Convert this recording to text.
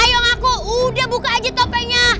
ayo aku udah buka aja topengnya